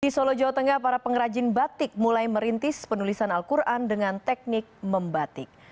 di solo jawa tengah para pengrajin batik mulai merintis penulisan al quran dengan teknik membatik